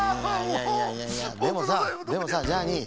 いやいやいやでもさでもさジャーニー。